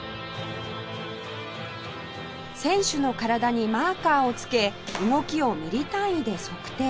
選手の体にマーカーをつけ動きをミリ単位で測定